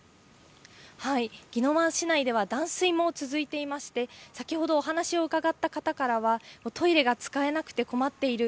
宜野湾市内では断水も続いていまして先ほど、お話を伺った方からはトイレが使えなくて困っている。